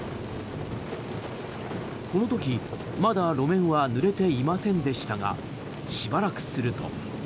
この時、まだ路面はぬれていませんでしたがしばらくすると。